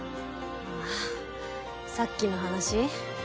あぁさっきの話？